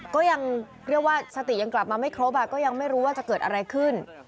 ก็ยังเรียกว่าสติยังกลับมาไม่ครบก็ยังไม่รู้ว่าจะเกิดอะไรขึ้น